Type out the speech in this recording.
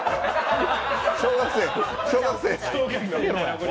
小学生、小学生。